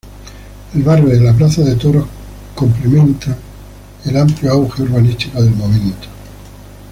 El barrio de la Plaza de Toros complementan el amplio auge urbanístico del momento.